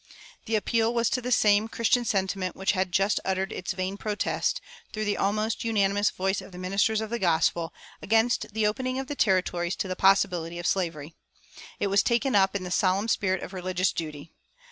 The appeal was to the same Christian sentiment which had just uttered its vain protest, through the almost unanimous voice of the ministers of the gospel, against the opening of the Territories to the possibility of slavery. It was taken up in the solemn spirit of religious duty.